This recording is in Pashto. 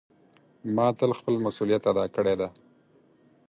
ما تل خپل مسؤلیت ادا کړی ده.